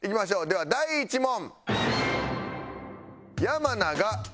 では第１問。